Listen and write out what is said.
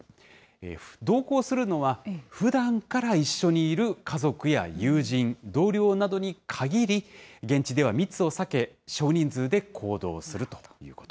同行するのはふだんから一緒にいる家族や友人、同僚などに限り、現地では密を避け、少人数で行動するということ。